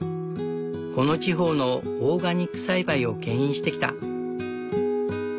この地方のオーガニック栽培をけん引してきた。